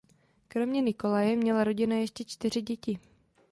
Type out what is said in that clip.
Kromě Nikolaje měla rodina ještě čtyři děti.